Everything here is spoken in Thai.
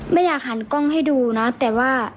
ไม่อยากหันกล้องให้ดูนะแต่ว่า